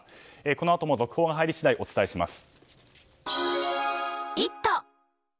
このあとも続報が入り次第お伝えします。